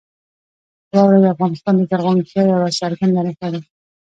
واوره د افغانستان د زرغونتیا یوه څرګنده نښه ده.